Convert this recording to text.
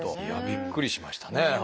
いやびっくりしましたね。